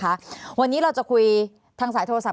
ภารกิจสรรค์ภารกิจสรรค์